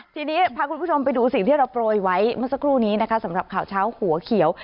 ทีนี้พาคุณผู้ชมไปดูสิ่งที่เราโปรยไว้เมื่อสักครู่นี้นะคะสำหรับข่าวเช้าหัวเขียว